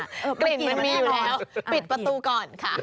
กลิ่นมันมากแล้วปิดประตูก่อนค่ะ